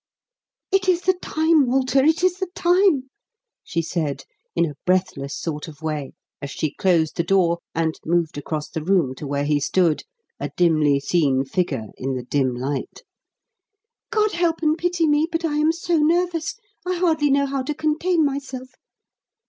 "It is the time, Walter, it is the time!" she said, in a breathless sort of way, as she closed the door and moved across the room to where he stood, a dimly seen figure in the dim light. "God help and pity me! but I am so nervous, I hardly know how to contain myself.